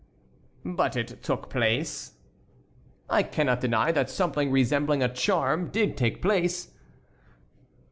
"But it took place?" "I cannot deny that something resembling a charm did take place."